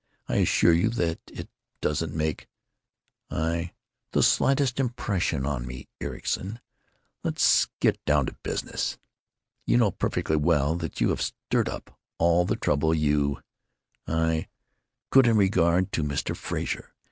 I assure you that it doesn't make——" "I——" "——the slightest impression on me, Ericson. Let's get right down to business. You know perfectly well that you have stirred up all the trouble you——" "I——" "——could in regard to Mr. Frazer.